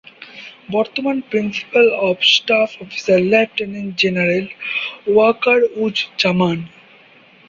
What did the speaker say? বর্তমান principal staff officer lieutenant general Waker-uz-Zaman.